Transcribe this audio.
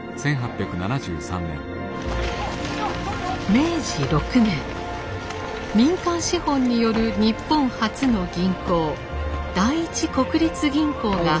明治６年民間資本による日本初の銀行第一国立銀行が開業しました。